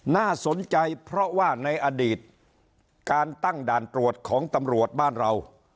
น่าสนใจเพราะว่าในอดีตการตั้งด่านตรวจของตำรวจบ้านเรา